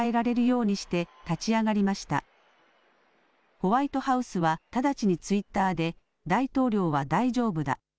ホワイトハウスはただちにツイッターで、大統領は大丈夫だ。